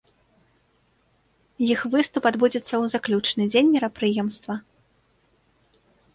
Іх выступ адбудзецца ў заключны дзень мерапрыемства.